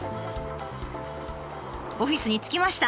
オフィスに着きました。